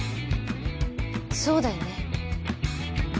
そうだよね。